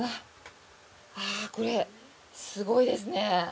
これ、すごいですね。